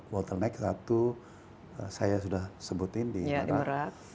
bottleneck satu saya sudah sebutin di merah